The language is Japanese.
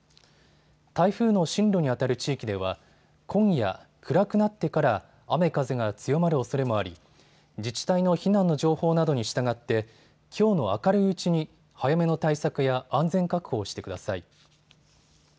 台風の進路にあたる地域では今夜、暗くなってから雨風が強まるおそれもあり自治体の避難の情報などに従ってきょうの明るいうちに早めの対策や安全確保をしてください。